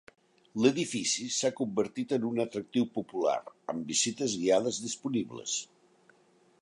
L'edifici s'ha convertit en un atractiu popular amb visites guiades disponibles.